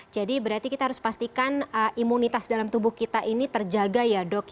jadi berarti kita harus pastikan imunitas dalam tubuh kita ini terjaga ya dok ya